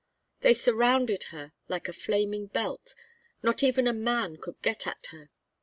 They surrounded her like a flaming belt, not even a man could get at her.